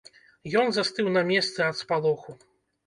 Ён застыў на месцы ад спалоху.